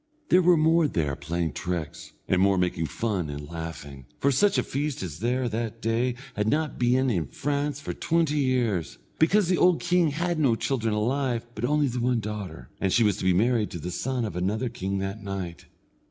There were more there playing tricks, and more making fun and laughing, for such a feast as there was that day had not been in France for twenty years, because the old king had no children alive but only the one daughter, and she was to be married to the son of another king that night.